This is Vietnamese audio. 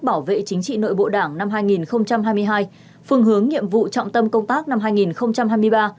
bảo vệ chính trị nội bộ đảng năm hai nghìn hai mươi hai phương hướng nhiệm vụ trọng tâm công tác năm hai nghìn hai mươi ba